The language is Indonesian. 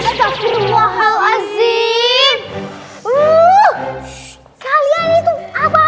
yang punya bandara ini siapa